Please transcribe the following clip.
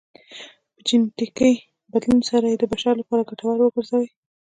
په جنیټیکي بدلون سره یې د بشر لپاره ګټور وګرځوي